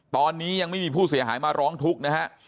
ตอนนี้ยังไม่มีผู้เสียหายมาร้องทุกข์นะฮะ